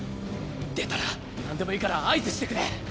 出たらなんでもいいから合図してくれ。